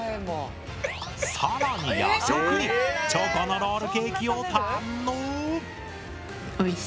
更に夜食にチョコのロールケーキを堪能！